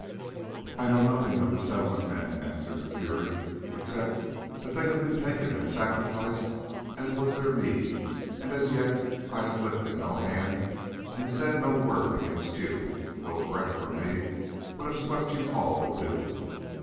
"I know nothing of the Settlement men," answered the Fury, "except that they have been taken and sacrificed as was their meed, and as yet I have lifted no hand and said no word against you, though a breath from me would have swept you all to doom.